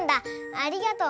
ありがとう。